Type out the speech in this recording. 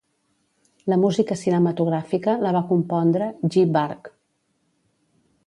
La música cinematogràfica, la va compondre Ji Bark.